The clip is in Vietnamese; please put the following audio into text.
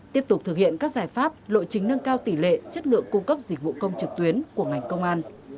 tiếp tục thực hiện các giải pháp lộ chính nâng cao tỷ lệ chất lượng cung cấp dịch vụ công trực tuyến của ngành công an